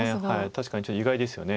確かにちょっと意外ですよね。